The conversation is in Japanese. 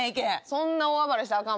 そんな大暴れしたらあかん